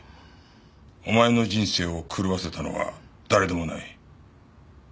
お前の人生を狂わせたのは誰でもないお前自身だ。